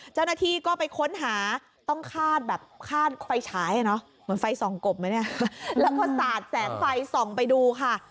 เจ้าหน้าที่ก็ไปค้นหาต้องคาดแบบหมดไฟฉายค่ะต้องแก้เมิ๊ปมันจะถูกจับเท่านั้นแล้วก็สาดแสงไฟส่องไปดูค่ะ